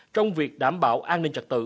trong việc đảm bảo an ninh trật tự